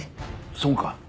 そうか。